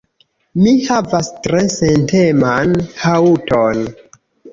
Mi havas tre senteman haŭton.